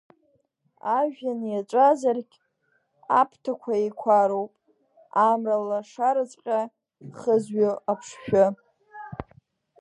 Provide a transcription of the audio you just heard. Ажәҩан иаҵәазаргь, аԥҭақәа еиқәароуп, Амра лашараҵәҟьа хызҩо аԥшшәы.